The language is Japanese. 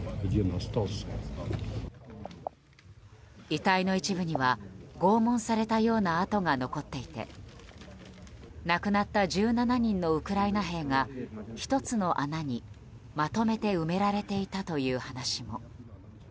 遺体の一部には拷問されたような痕が残っていて亡くなった１７人のウクライナ兵が１つの穴に、まとめて埋められていたという話も。